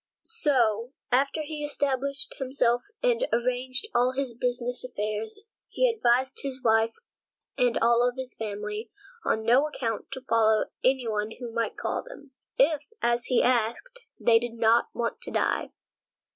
So, after he had established himself and arranged all his business affairs, he advised his wife and all his family on no account to follow any one who might call them, if, as he said, they did not want to die.